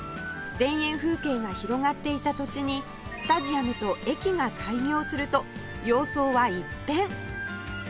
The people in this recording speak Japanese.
田園風景が広がっていた土地にスタジアムと駅が開業すると様相は一変！